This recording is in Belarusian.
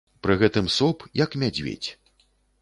Пры гэтым соп, як мядзведзь.